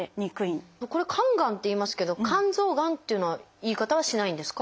これ「肝がん」って言いますけど「肝臓がん」っていうのは言い方はしないんですか？